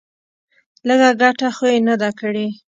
لږه گټه خو يې نه ده کړې.